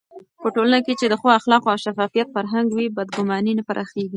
په ټولنه کې چې د ښو اخلاقو او شفافيت فرهنګ وي، بدګماني نه پراخېږي.